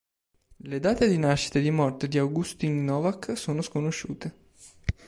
Le date di nascita e di morte di Augustin Novak sono sconosciute.